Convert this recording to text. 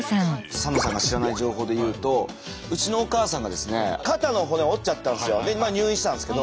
サンドさんが知らない情報で言うとうちのお母さんがですね肩の骨を折っちゃったんですよ。で入院してたんですけど。